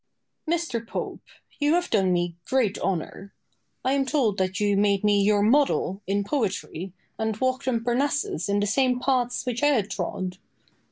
Boileau. Mr. Pope, you have done me great honour. I am told that you made me your model in poetry, and walked on Parnassus in the same paths which I had trod.